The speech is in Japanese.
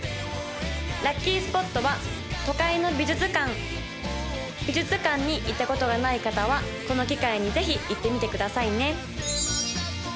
・ラッキースポットは都会の美術館美術館に行ったことがない方はこの機会にぜひ行ってみてくださいね